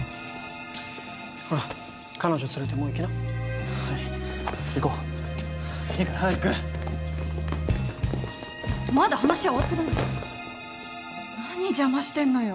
ほら彼女連れてもう行きなはい行こういいから早くまだ話は終わってないでしょ何邪魔してんのよ？